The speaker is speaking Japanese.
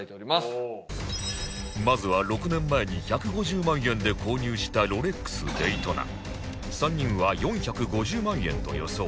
まずは６年前に１５０万円で購入したロレックスデイトナ３人は４５０万円と予想